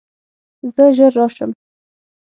زه ژر راشم.